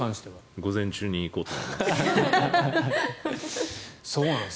午前中に行こうと思います。